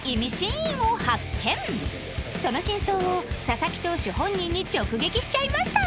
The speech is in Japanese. その真相を佐々木投手本人に直撃しちゃいました